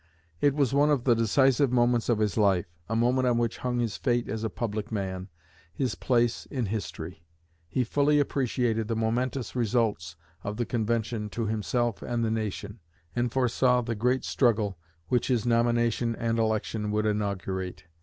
It was one of the decisive moments of his life a moment on which hung his fate as a public man, his place in history. He fully appreciated the momentous results of the convention to himself and the nation, and foresaw the nature of the great struggle which his nomination and election would inaugurate.